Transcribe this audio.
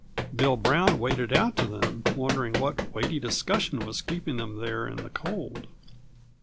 Bill Brown waded out to them, wondering what weighty discussion was keeping them there in the cold.